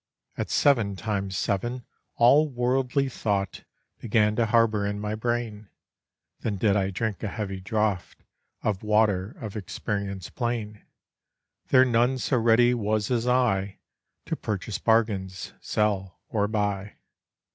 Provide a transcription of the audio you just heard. At seven times seven all worldly thought Began to harbour in my brain; Then did I drink a heavy draught Of water of experience plain; There none so ready was as I, To purchase bargains, sell, or buy.